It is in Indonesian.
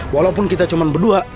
walaupun kita cuma berdua